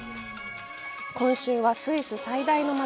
今週は、スイス最大の街